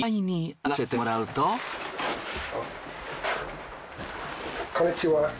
あっこんにちは。